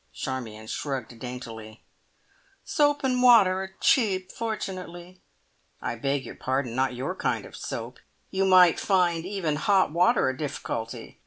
Charmion shrugged daintily. "Soap and water are cheap, fortunately." "I beg your pardon! Not your kind of soap. You might find even hot water a difficulty.